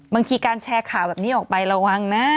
บางทีการแชร์ข่าวแบบนี้ออกไประวังนะ